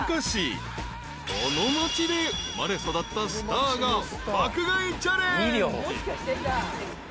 ［この町で生まれ育ったスターが爆買いチャレンジ］